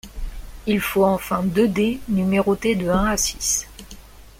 Il faut enfin deux dés numérotés de un à six.